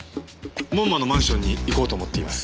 門馬のマンションに行こうと思っています。